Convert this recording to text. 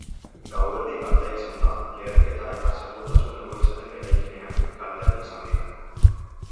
Gauerdi partea izan da leherketa eta segurtasun egoitzaren eraikinean kalteak izan dira.